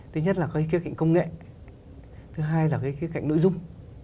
thứ nhất là có cái khía cạnh công nghệ thứ hai là cái khía cạnh nội dung